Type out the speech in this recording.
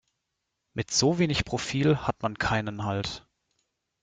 Mit so wenig Profil hat man keinen Halt.